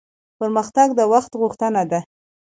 پرمختګ د وخت غوښتنه ده